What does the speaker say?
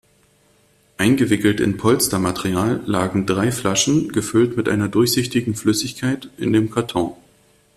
Eingewickelt in Polstermaterial lagen drei Flaschen, gefüllt mit einer durchsichtigen Flüssigkeit, in dem Karton.